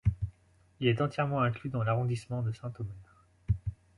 Il est entièrement inclus dans l'arrondissement de Saint-Omer.